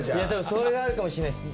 それがあるかもしれないです。